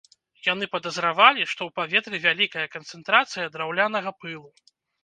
Яны падазравалі, што ў паветры вялікая канцэнтрацыя драўлянага пылу.